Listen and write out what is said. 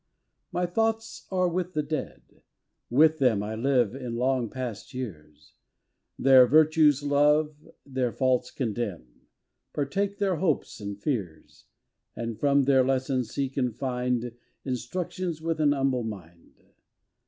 My thoughts are with the Dead, with them I live in long past years, Their virtues love, their faults condemn, Partake their hopes and fears, And from their lessons seek and find Instruction with ^n humble mind.